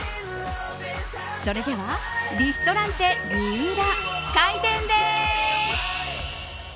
それではリストランテＭＩＵＲＡ開店です！